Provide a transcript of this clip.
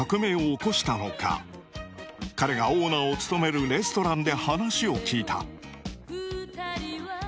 彼がオーナーを務めるレストランで話を聞いた。